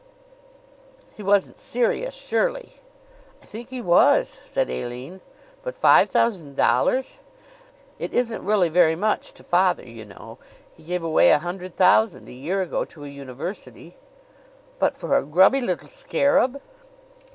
"He wasn't serious, surely!" "I think he was," said Aline. "But five thousand dollars!" "It isn't really very much to father, you know. He gave away a hundred thousand a year ago to a university." "But for a grubby little scarab!"